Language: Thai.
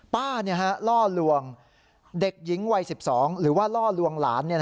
ป้าล่อลวงเด็กหญิงวัย๑๒หรือว่าล่อลวงหลาน